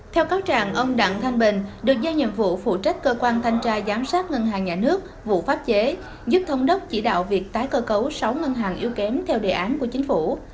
theo cáo trạng ông đặng thanh bình được giao nhiệm vụ phụ trách cơ quan thanh tra giám sát ngân hàng nhà nước vụ pháp chế giúp thống đốc chỉ đạo việc tái cơ cấu sáu ngân hàng yếu kém theo đề án của chính phủ